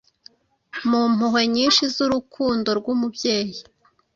Mu mpuhwe nyinshi z’urukundo rw’umubyeyi,